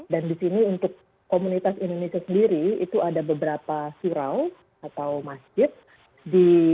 dan di sini untuk komunitas indonesia sendiri itu ada beberapa surau atau masjid